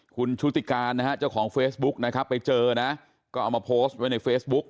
คุณชุติการนะฮะเจ้าของเฟซบุ๊กนะครับไปเจอนะก็เอามาโพสต์ไว้ในเฟซบุ๊ก